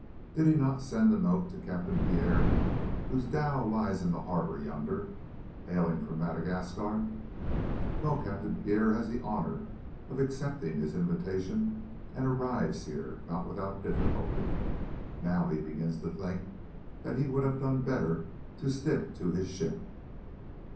Did he not send a note to Captain Pierre, whose dhow lies in the harbour yonder, hailing from Madagascar? Well, Captain Pierre has the honour of accepting his invitation and arrives here, not without difficulty. Now he begins to think that he would have done better to stick to his ship."